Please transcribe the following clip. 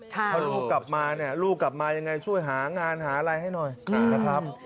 ถ้าลูกกลับมาเนี่ยลูกกลับมายังไงช่วยหางานหาอะไรให้หน่อยนะครับ